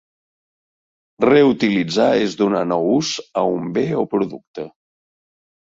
Reutilitzar és donar nou ús, a un bé o producte.